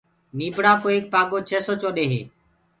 نيٚڀڙآ ڪو ايڪ پآڳو ڇي سو چوڏي هي